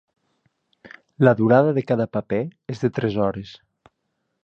La durada de cada paper és de tres hores.